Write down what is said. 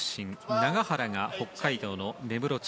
永原が北海道の根室町。